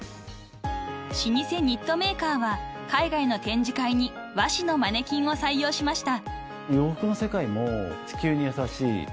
［老舗ニットメーカーは海外の展示会に和紙のマネキンを採用しました］